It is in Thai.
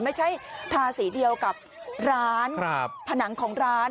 ไม่ใช่ทาสีเดียวกับร้านผนังของร้าน